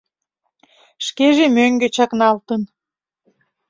Шкеже мӧҥгӧ чакналталын